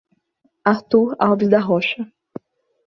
Artur Alves da Rocha